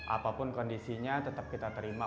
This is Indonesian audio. apapun kondisinya tetap kita terima